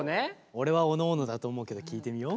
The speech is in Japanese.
俺はおのおのだと思うけど聞いてみよう。